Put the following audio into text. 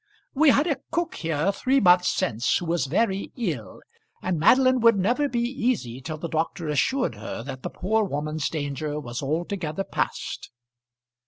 "We had a cook here, three months since, who was very ill, and Madeline would never be easy till the doctor assured her that the poor woman's danger was altogether past."